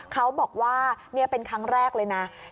เขาบอกว่านี่เป็นครั้งแรกเลยนะ